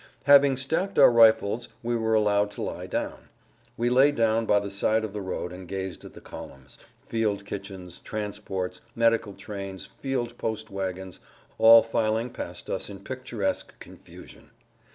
Having stacked our rifles we were allowed to lie down. We lay down by the side of the road and gazed at the columns, field kitchens, transports, medical trains, field post wagons, all filing past us in picturesque confusion.